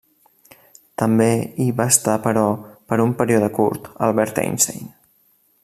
També hi va estar però per un període curt Albert Einstein.